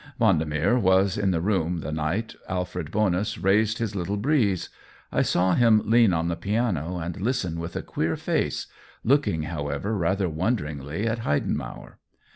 Vendemer was in the room the night Alfred Bonus raised his little breeze; I saw him lean on the piano and listen with a queer face, looking however rather wonderingly at Heiden mauer.